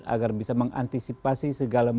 agar bisa mengantisipasi segala